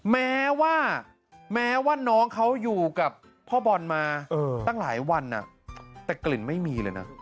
แม้ว่าแม้ว่าน้องเขาอยู่กับพ่อบอลมาตั้งหลายวันแต่กลิ่นไม่มีเลยนะ